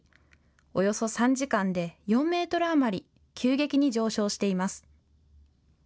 およそ３時間で４メートル余り、急激に上昇しています。